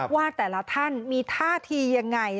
ว่าแต่ละท่านมีท่าทียังไง